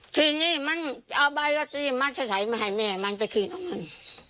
ทีนี้มันเอาใบรถที่มันจะถ่ายมาให้แม่มันจะขึ้นเอาเงิน